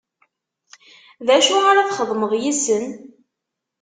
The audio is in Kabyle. D acu ara txedmeḍ yes-sen.